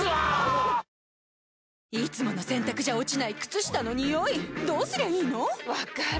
いつもの洗たくじゃ落ちない靴下のニオイどうすりゃいいの⁉分かる。